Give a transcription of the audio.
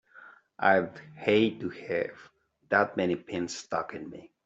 I'd hate to have that many pins stuck in me!